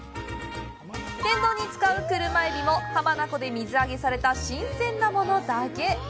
天丼に使う車海老も、浜名湖で水揚げされた新鮮なものだけ。